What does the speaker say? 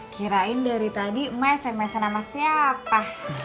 kira kira dari tadi mai semesan sama siapa